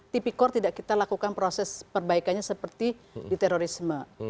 tipikor tidak kita lakukan proses perbaikannya seperti di terorisme